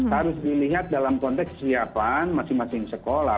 harus dilihat dalam konteks kesiapan masing masing sekolah